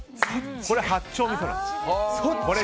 これ、八丁みそなんです。